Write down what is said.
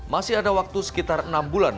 masih ada waktu sekitar enam bulan